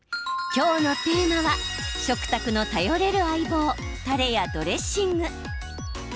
今日のテーマは食卓の頼れる相棒たれやドレッシング。